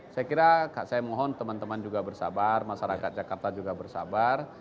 saya kira saya mohon teman teman juga bersabar masyarakat jakarta juga bersabar